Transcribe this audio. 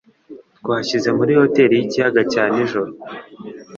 Twashyize muri hoteri yikiyaga cya nijoro